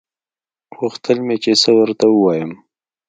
غوښتل مې چې څه ورته ووايم.